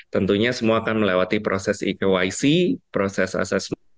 tentunya semua akan melewati proses eqyc proses assessment